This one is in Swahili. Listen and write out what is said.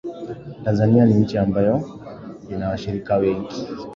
Tanzania ni nchi ambayo ina washirika wengi